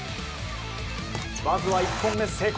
まずは１本目、成功。